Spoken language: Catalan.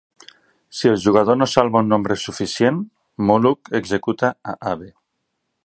Si el jugador no salva un nombre suficient, Molluck executa a Abe.